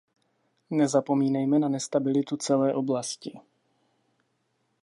Nezapomínejme na nestabilitu celé oblasti.